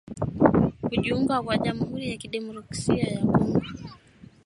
kujiunga kwa jamhuri ya kidemokrasia ya Kongo